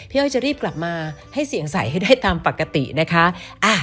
อ้อยจะรีบกลับมาให้เสียงใสให้ได้ตามปกตินะคะ